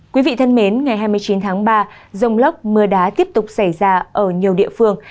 quý vị thân mến ngày hai mươi chín tháng ba dông lốc mưa đá tiếp tục xảy ra ở nhiều địa phương